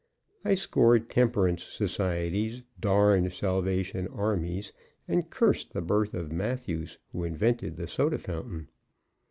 I scored temperance societies, darned Salvation Armies, and cursed the birth of Matthews, who invented the soda fountain.